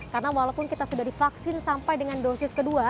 dan walaupun kita sudah divaksin sampai dengan dosis kedua